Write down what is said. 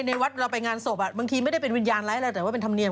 ในวัดเราไปงานศพบางทีไม่ได้เป็นวิญญาณร้ายอะไรแต่ว่าเป็นธรรมเนียม